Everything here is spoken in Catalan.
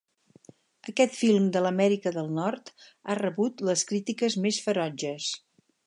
Aquest film de l'Amèrica del Nord ha rebut les crítiques més ferotges.